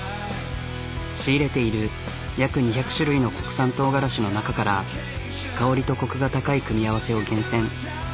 仕入れている約２００種類の国産とうがらしの中から香りとコクが高い組み合わせを厳選。